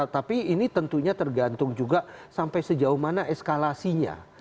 tapi ini tentunya tergantung juga sampai sejauh mana eskalasinya